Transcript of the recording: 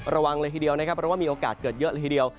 ระวังเลยทีเดียวนะครับเพราะว่ามีโอกาสเกิดเยอะเลยทีเดียว